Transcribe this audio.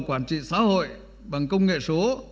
quản trị xã hội bằng công nghệ số